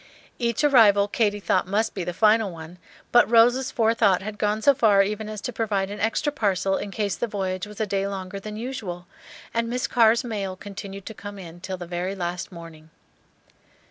Each arrival Katy thought must be the final one; but Rose's forethought had gone so far even as to provide an extra parcel in case the voyage was a day longer than usual, and "Miss Carr's mail" continued to come in till the very last morning.